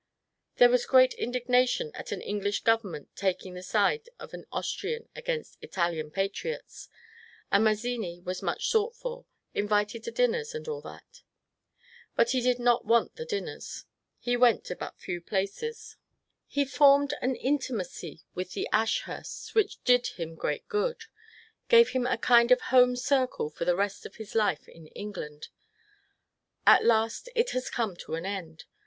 There was great indignation at an English government taking the side of the Austrian against Italian patriots ; and Maz zini was much sought for, invited to dinners, and all that. But he did not want the dinners. He went to but few places. JOSEPH MAZZINI KAJIL BLIND 67 f He formed an intimacy with the Ashursts, which did him great good, — gave him a kind of home circle for the rest of his life in England. At last it has come to an end.